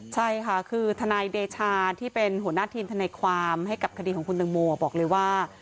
ใช่ค่ะคือทนายเดชาที่เป็นหัวหน้าทีมทนายความให้กับคดีของคุณตังโมบอกเลยว่า